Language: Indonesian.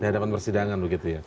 di hadapan persidangan begitu ya